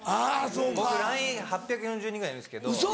僕ＬＩＮＥ８４０人ぐらいいるんですけど。